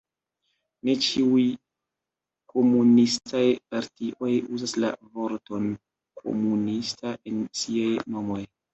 Ne ĉiuj komunistaj partioj uzas la vorton "komunista" en siaj nomoj.